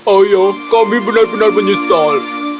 ayo kami benar benar menyesal